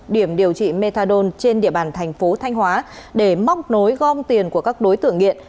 điểm điều trị methadone trên địa bàn thành phố thanh hóa để móc nối gom tiền của các đối tượng nghiện